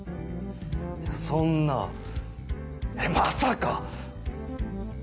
そんなまさか！